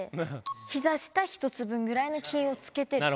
膝下１つ分ぐらい金をつけてる。